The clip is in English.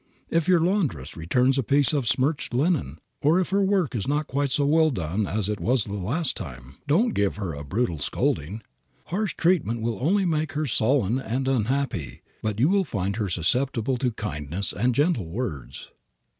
If your laundress returns a piece of smirched linen, or if her work is not quite so well done as it was the last time, don't give her a brutal scolding. Harsh treatment will only make her sullen and unhappy, but you will find her susceptible to kindness and gentle words.